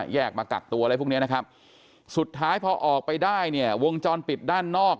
มากักตัวอะไรพวกนี้นะครับสุดท้ายพอออกไปได้เนี่ยวงจรปิดด้านนอก